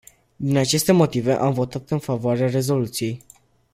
Din aceste motive, am votat în favoarea rezoluției.